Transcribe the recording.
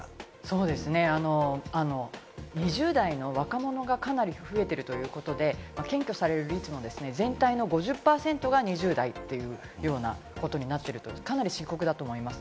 そうですね、２０代の若者はかなり増えているということで、検挙される率も全体の５０％が２０代というようなことになってる、かなり深刻だと思います。